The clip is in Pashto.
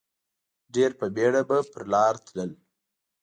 ډېر په بېړه به پر لار تلل.